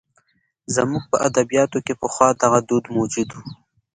زموږ په ادبیاتو کې پخوا دغه دود موجود و.